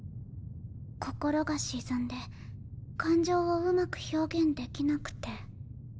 心が沈んで感情をうまく表現できなくて。